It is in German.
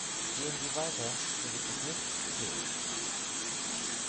Gehen Sie weiter! Hier gibt es nichts zu sehen.